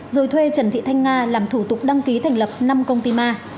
rồi thuê trần thị thanh nga làm thủ tục đăng ký thành lập năm công ty ma